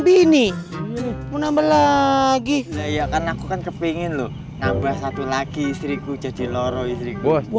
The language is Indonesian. bini pun nambah lagi ya kan aku kan kepingin loh nambah satu lagi istriku jajeloro istriku